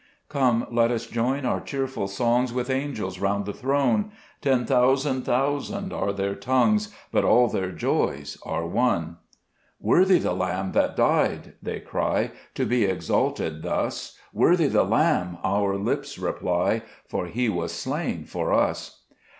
/^OME, let us join our cheerful songs ^^ With angels round the throne ; Ten thousand thousand are their tongues, But all their joys are one. 37 Cbe 1Scet Gburcb Ibymns. 2 " Worthy the Lamb that died," they cry, " To be exalted thus :"" Worthy the Lamb," our lips reply, " For He was slain for us."